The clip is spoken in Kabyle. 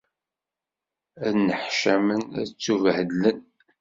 Ad nneḥcamen, ad ttubhedlen.